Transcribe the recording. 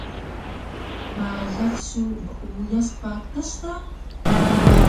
Malax su meuyas patas da!